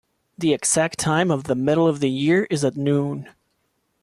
The exact time of the middle of the year is at noon.